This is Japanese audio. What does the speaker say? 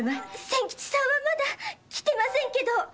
仙吉さんはまだ来てませんけど。